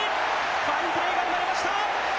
ファインプレーが生まれました。